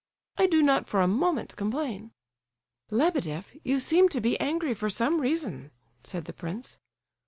I do not for a moment complain—" "Lebedeff, you seem to be angry for some reason!" said the prince.